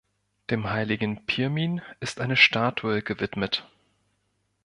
Dem heiligen Pirmin ist eine Statue gewidmet.